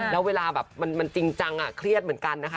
แล้วเวลาแบบมันจริงจังเครียดเหมือนกันนะคะ